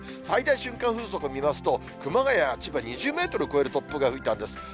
最大瞬間風速見ますと、熊谷、千葉２０メートル超える突風が吹いたんです。